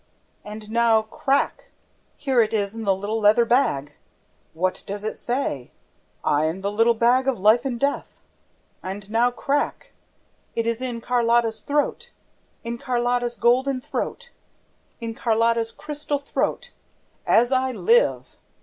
... And now, crack! Here it is in the little leather bag ... What does it say? 'I AM THE LITTLE BAG OF LIFE AND DEATH!' ... And now, crack! It is in Carlotta's throat, in Carlotta's golden throat, in Carlotta's crystal throat, as I live!